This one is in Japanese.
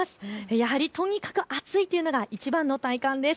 やはりとにかく暑いというのがいちばんの体感です。